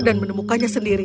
dan menemukannya sendiri